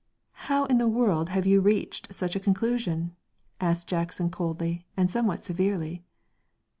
"How in the world have you reached such a conclusion?" asked Jackson coldly, and somewhat severely.